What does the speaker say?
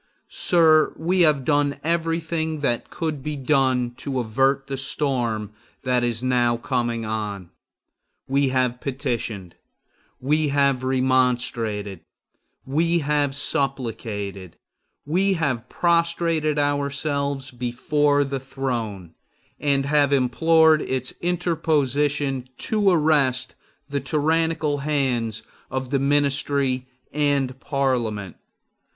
Sir, we have done everything that could be done to avert the storm that is now coming on. We have petitioned; we have remonstrated; we have supplicated; we have prostrated ourselves before the throne, and have implored its interposition to arrest the tyrannical hands of the ministry and Parliament.